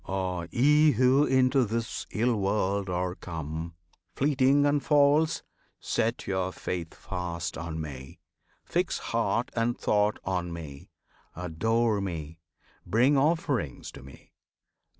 Ah! ye who into this ill world are come Fleeting and false set your faith fast on Me! Fix heart and thought on Me! Adore Me! Bring Offerings to Me!